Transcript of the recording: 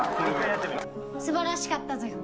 素晴らしかったぞよ。